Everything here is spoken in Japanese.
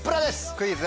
『クイズ！